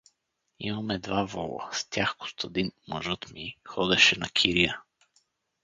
Имаме два вола, с тях Костадин, мъжът ми, ходеше на кирия.